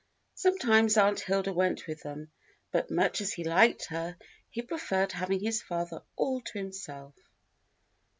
Sometimes Aunt Hilda went with them, but much as he liked her, he preferred having his father all to himself.